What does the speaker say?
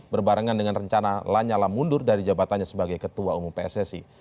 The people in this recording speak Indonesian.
berbarengan dengan rencana lanyala mundur dari jabatannya sebagai ketua umum pssi